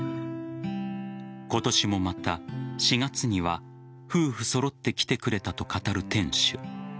今年もまた４月には夫婦揃って来てくれたと語る店主。